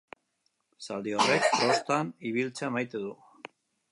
Zaldi horrek trostan ibiltzea maite du.